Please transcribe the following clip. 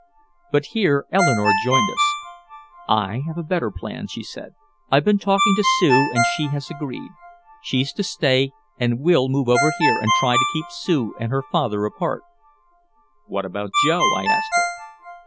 But here Eleanore joined us. "I have a better plan," she said. "I've been talking to Sue and she has agreed. She's to stay and we'll move over here and try to keep Sue and her father apart." "What about Joe?" I asked her.